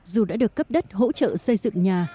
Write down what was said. dù đã được cấp đất hỗ trợ xây dựng nhà